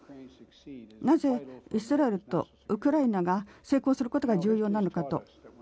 なぜ、イスラエルとウクライナが成功することが重要なのかと。